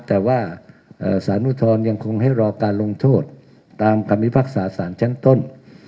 แต่ว่าสารอุทธรณ์ยังคงให้รอการลงโทษตามคำพิพากษาสารชั้นต้น